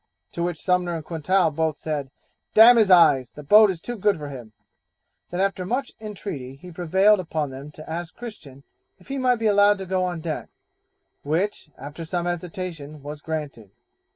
to which Sumner and Quintal both said, 'D n his eyes, the boat is too good for him'; that after much entreaty he prevailed on them to ask Christian if he might be allowed to go on deck, which, after some hesitation, was granted.